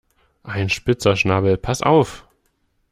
Ein spitzer Schnabel, pass auf!